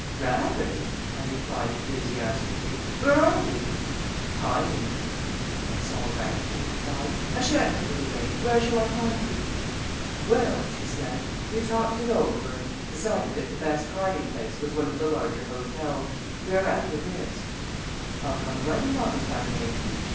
"Rather!" I replied enthusiastically. "Where are you?" "Hiding!" "That's all right," I replied. "I shan't give it away. Where shall I find you?" "Well," she said, "we talked it over and decided that the best hiding place was one of the larger hotels. We are at the Ritz." "I'll come right along if I may."